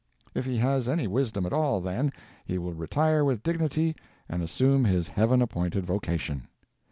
If he has any wisdom at all, then, he will retire with dignity and assume his heaven appointed vocation.